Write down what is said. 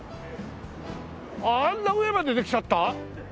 あんな上までできちゃった？